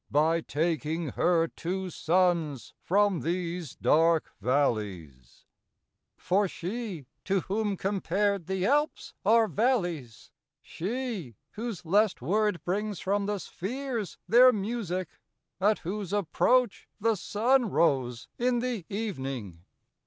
By taking her two Sunnes from these darke vallies. 142 ARCADIA. LIB. i. For she , to whom compar'd , the Alpes are v allies, Klaius. She , whose lest word brings from the spheares their musique. At whose approach the Sunne rose in the evening.